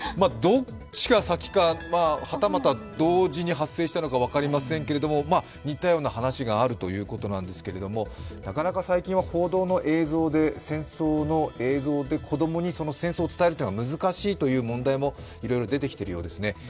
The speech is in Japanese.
どっちが先か、はたまた同時に発生したのか分かりませんけれども、似たような話があるということなんですけれどもなかなか最近は報道で戦争の映像で子供に戦争を伝えるというのが難しいという問題もいろいろ出てきているようですね。